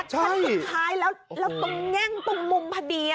ชั้นสุดท้ายแล้วตรงแง่งตรงมุมพอดี